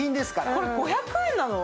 これ５００円なの？